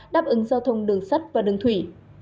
đáp ứng giao thông đường sắt và đường thủy